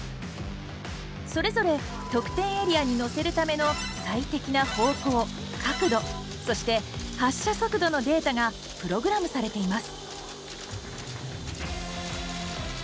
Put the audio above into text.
それぞれ得点エリアにのせるための最適な方向角度そして発射速度のデータがプログラムされています。